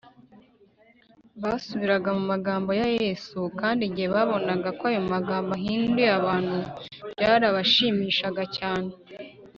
basubiraga mu magambo ya yesu, kandi igihe babonaga ko ayo magambo ahinduye abantu, byarabashimishaga cyane